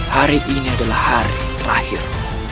hari ini adalah hari terakhir